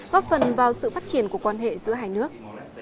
góp phần vào sự phát triển của quan hệ giữa hai nước